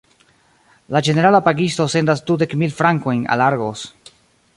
La ĝenerala pagisto sendas dudek mil frankojn al Argos.